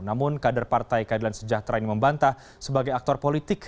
namun kader partai keadilan sejahtera ini membantah sebagai aktor politik